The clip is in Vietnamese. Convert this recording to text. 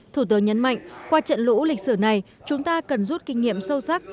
thủ tướng nhấn mạnh qua trận lũ lịch sử này chúng ta cần rút kinh nghiệm sâu sắc